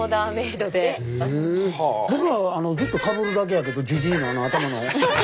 僕らずっとかぶるだけやけどジジイのあの頭の。